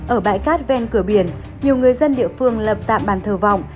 ở bãi cát ven cửa biển nhiều người dân địa phương lập tạm bàn thờ vọng